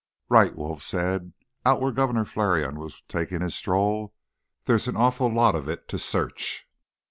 "Right," Wolf said. "Out where Governor Flarion was taking his stroll, there's an awful lot of it to search.